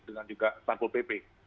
dengan juga sarpul pp